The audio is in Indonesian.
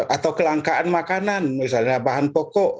atau kelangkaan makanan misalnya bahan pokok